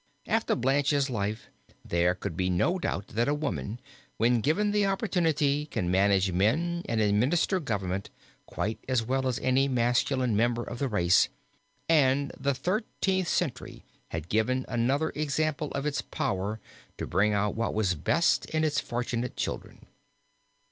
After Blanche's life there could be no doubt that a woman, when given the opportunity, can manage men and administer government quite as well as any masculine member of the race, and the Thirteenth Century had given another example of its power to bring out what was best in its fortunate children.